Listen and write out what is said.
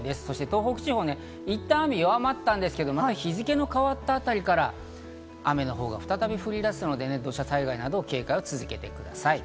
東北地方、いったん雨が弱まったんですが、日付の変わったあたりから雨のほうが再び降り出すので、土砂災害などに警戒を続けてください。